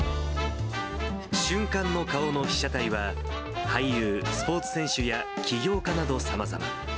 瞬間の顔の被写体は、俳優、スポーツ選手や起業家などさまざま。